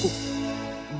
kau bisa membawanya